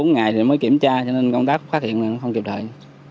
ba bốn ngày thì mới kiểm tra cho nên công tác phát hiện là không kịp đợi